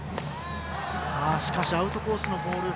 しかし、アウトコースのボール